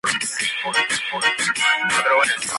San Juan del Río.